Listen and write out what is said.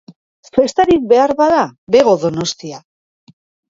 Festarik behar bada, bego Donostia.